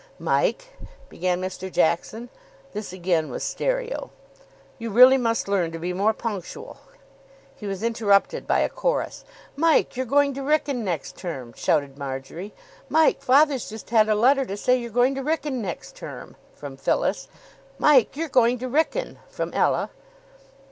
"Mike," began Mr. Jackson this again was stereo "you really must learn to be more punctual " He was interrupted by a chorus. "Mike, you're going to Wrykyn next term," shouted Marjory. "Mike, father's just had a letter to say you're going to Wrykyn next term." From Phyllis. "Mike, you're going to Wrykyn." From Ella.